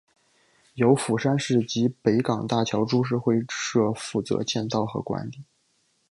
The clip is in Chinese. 由釜山市及北港大桥株式会社负责建造和管理。